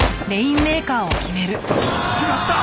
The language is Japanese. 決まった！